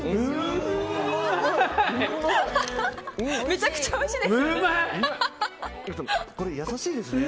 めちゃくちゃおいしいですよね。